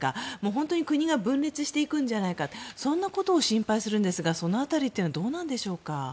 本当に国が分裂していくのではないかということを心配するんですがその辺りはどうなんでしょうか。